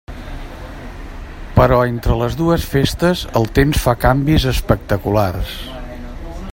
Però entre les dues festes el temps fa canvis espectaculars.